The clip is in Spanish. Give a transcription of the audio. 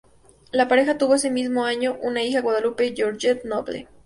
La pareja tuvo ese mismo año una hija: Guadalupe Georgette Noble.